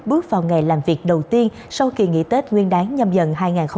bước vào ngày làm việc đầu tiên sau kỳ nghỉ tết nguyên đáng nhầm dần hai nghìn hai mươi